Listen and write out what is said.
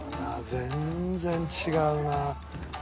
全然違う。